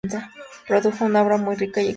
Produjo una obra muy rica y extensa.